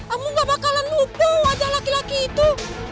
ambo gak bakalan lupa wajah laki laki itu